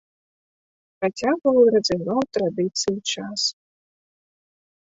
Працягваў і развіваў традыцыі час.